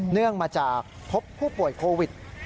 เนื่องมาจากพบผู้ป่วยโควิด